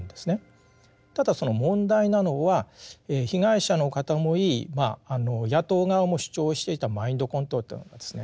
ただその問題なのは被害者の方も言い野党側も主張していたマインドコントロールというのがですね